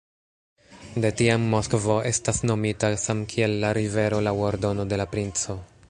De tiam Moskvo estas nomita samkiel la rivero laŭ ordono de la princo.